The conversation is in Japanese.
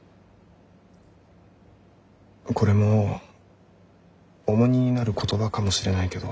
これも重荷になる言葉かもしれないけど。